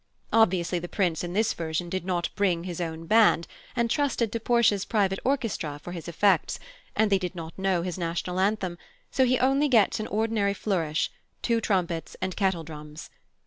Obviously the Prince in this version did not bring his own band, and trusted to Portia's private orchestra for his effects, and they did not know his national anthem; so he only gets an ordinary flourish, two trumpets and kettledrums.